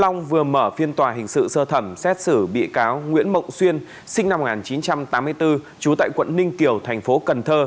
long vừa mở phiên tòa hình sự sơ thẩm xét xử bị cáo nguyễn mộng xuyên sinh năm một nghìn chín trăm tám mươi bốn trú tại quận ninh kiều thành phố cần thơ